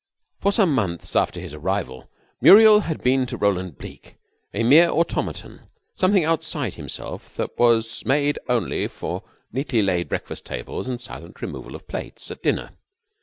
For some months after his arrival, Muriel had been to Roland Bleke a mere automaton, a something outside himself that was made only for neatly laid breakfast tables and silent removal of plates at dinner.